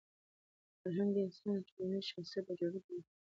فرهنګ د انسان د ټولنیز شخصیت په جوړولو کي مهم رول لري.